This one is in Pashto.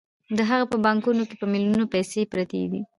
د هغه په بانکونو کې په میلیونونو پیسې پرتې دي